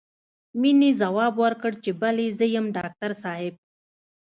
مينې ځواب ورکړ چې بلې زه يم ډاکټر صاحب.